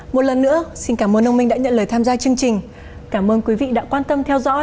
một lần nữa xin cảm ơn ông minh đã nhận lời tham gia chương trình